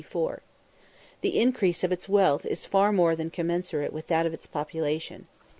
The increase of its wealth is far more than commensurate with that of its population.